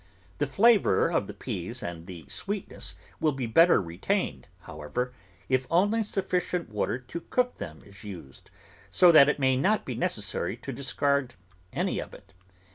The flavour of the peas and the sweetness will be better retained, however, if only sufficient water to cook them is used, so that it may not be necessary to discard any of it.